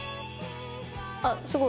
あすごい。